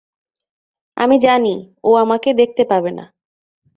আমি জানি ও আমাকে দেখতে পাবে না।